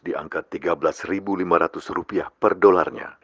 di angka rp tiga belas lima ratus rupiah per dolarnya